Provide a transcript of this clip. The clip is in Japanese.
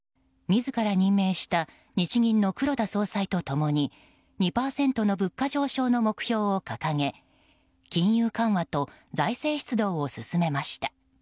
自ら任命した日銀の黒田総裁とともに２％の物価上昇の目標を掲げ金融緩和と財政出動を進めました。